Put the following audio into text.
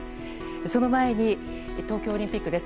その前に、東京オリンピックです。